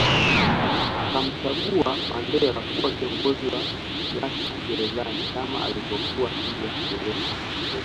Wakamchagua Mandela kuwa kiongozi wa kisiasa gerezani kama alivyokuwa nje ya Gereza